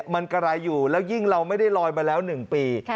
มันกระไรอยู่แล้วยิ่งเราไม่ได้ลอยมาแล้ว๑ปี